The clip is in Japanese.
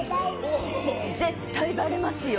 絶対バレますよ！